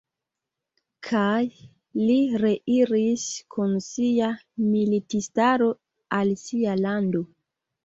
Kaj li reiris kun sia militistaro al sia lando.